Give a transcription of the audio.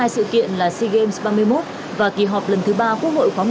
hai sự kiện là sea games ba mươi một và kỳ họp lần thứ ba quốc hội khóa một mươi bốn